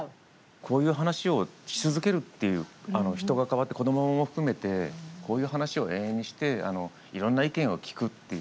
こういう話をし続けるっていう、人が変わって子どもも含めてこういう話を延々にしていろんな意見を聞くっていう。